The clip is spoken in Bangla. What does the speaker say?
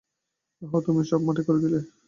অহ, তুমি সব মাটি করে দিলে।